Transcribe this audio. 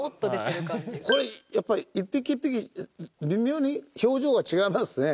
これやっぱり一匹一匹微妙に表情が違いますね。